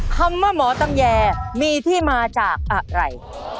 คำว่าหมอตำแยมีที่มาจากอะไร